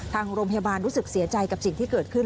ทางโรงพยาบาลรู้สึกเสียใจกับสิ่งที่เกิดขึ้น